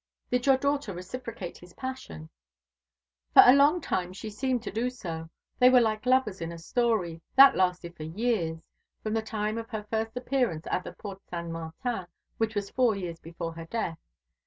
"Did your daughter reciprocate his passion?" "For a long time she seemed to do so. They were like lovers in a story. That lasted for years from the time of her first appearance at the Porte Saint Martin, which was four years before her death.